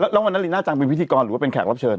แล้ววันนั้นลีน่าจังเป็นพิธีกรหรือว่าเป็นแขกรับเชิญ